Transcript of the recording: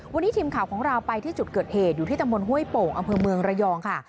วันนี้ทีมข่าวของเราไปที่จุดเกิดเหตุอยู่ที่ตำบลห้วยโป่งอำเภอเมืองระยองค่ะ